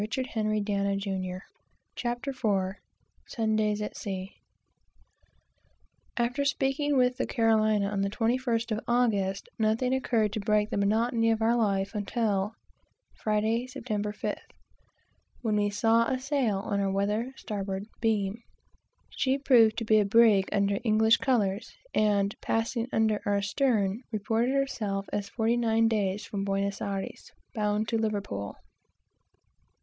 CHAPTER IV A ROGUE TROUBLE ON BOARD "LAND HO!" POMPERO CAPE HORN After speaking the Carolina, on the 21st August, nothing occurred to break the monotony of our life until Friday, September 5th, when we saw a sail on our weather (starboard) beam. She proved to be a brig under English colors, and passing under our stern, reported herself as forty nine days from Buenos Ayres, bound to Liverpool.